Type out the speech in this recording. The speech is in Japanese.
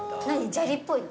砂利っぽいの？